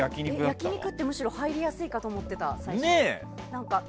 焼き肉ってむしろ入りやすいかと思ってた。